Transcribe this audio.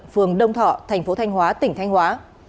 phường đông thọ thành phố thanh hóa tỉnh thanh hóa